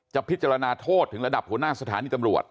พิจารณาโทษถึงระดับหัวหน้าสถานีตำรวจ